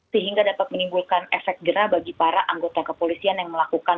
sehingga dapat menimbulkan efek gerah bagi para anggota kepolisian yang melakukan